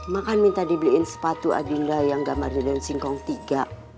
mak kan minta dibeliin sepatu adinda yang gak marion dan singkong tiga